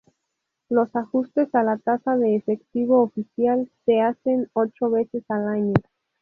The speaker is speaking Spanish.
Los ajustes a la tasa de efectivo oficial se hacen ocho veces al año.